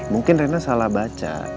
mungkin rena salah baca